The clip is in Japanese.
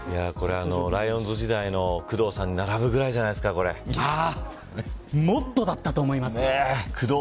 ライオンズ時代の工藤さんに並ぶぐらいじゃないもっとだったと思います。